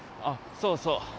そうそう。